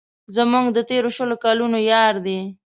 زموږ د تېرو شلو کلونو یار دی.